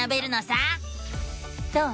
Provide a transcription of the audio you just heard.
どう？